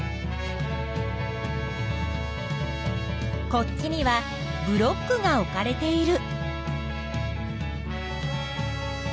こっちにはブロックが置かれている。